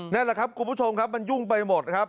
นั่นแหละครับคุณผู้ชมครับมันยุ่งไปหมดครับ